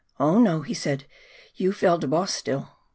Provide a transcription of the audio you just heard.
" Oh no," he said, "you fell' de boss stiU !